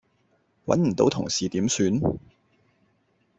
搵唔到同事點算?